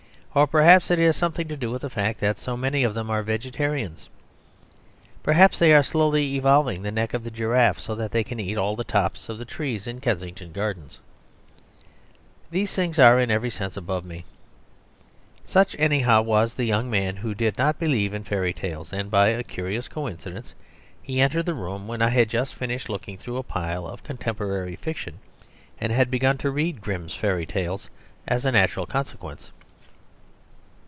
Or perhaps it has something to do with the fact that so many of them are vegetarians: perhaps they are slowly evolving the neck of the giraffe so that they can eat all the tops of the trees in Kensington Gardens. These things are in every sense above me. Such, anyhow, was the young man who did not believe in fairy tales; and by a curious coincidence he entered the room when I had just finished looking through a pile of contemporary fiction, and had begun to read "Grimm's Fairy tales" as a natural consequence.